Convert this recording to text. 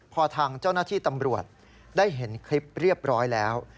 พอทางเจ้าหน้าที่ตำรวจได้เห็นคลิปเรียบร้อยแล้ว